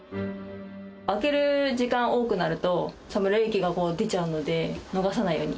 開ける時間多くなると、冷気が出ちゃうので、逃さないように。